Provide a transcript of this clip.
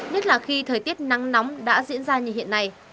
nhất là khi thời tiết nắng nóng đã diễn ra như hiện nay